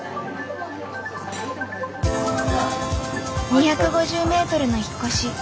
２５０メートルの引っ越し。